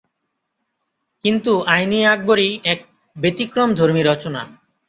কিন্তু আইন-ই-আকবরী এক ব্যতিক্রমধর্মী রচনা।